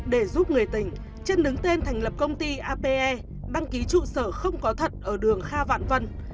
để giúp người tình trân đứng tên thành lập công ty ape băng ký trụ sở không có thật ở đường kha vạn vân